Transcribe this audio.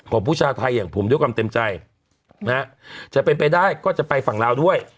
ผู้ชายไทยอย่างผมด้วยความเต็มใจนะฮะจะเป็นไปได้ก็จะไปฝั่งลาวด้วย